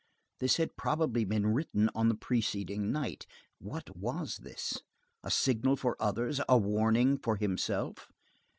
This had probably been written on the preceding night. What was this? A signal for others? A warning for himself?